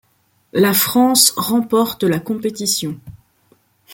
La France remporte la compétition.